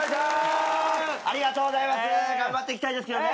ありがとうございます。頑張っていきたいですけどね。